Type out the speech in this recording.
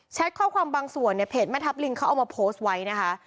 ข้อความบางส่วนเนี่ยเพจแม่ทัพลิงเขาเอามาโพสต์ไว้นะคะ